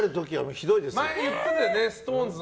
前に言ってたよねＳｉｘＴＯＮＥＳ